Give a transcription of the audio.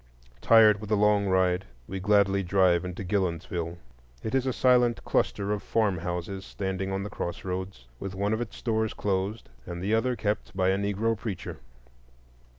Tired with the long ride, we gladly drive into Gillonsville. It is a silent cluster of farmhouses standing on the crossroads, with one of its stores closed and the other kept by a Negro preacher.